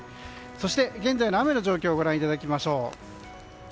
そして現在の雨の状況をご覧いただきましょう。